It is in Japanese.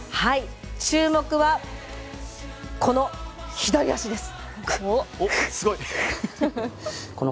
注目は、この左足です。